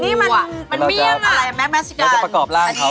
นี่มันมันเบี้ยงอ่ะแม็กซ์แคสเกอร์นอันนี้มันไถ่เราจะประกอบร่างเขาอ่ะ